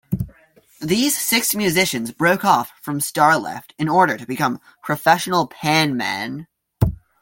These six musicians broke off from Starlift in order to become professional panmen.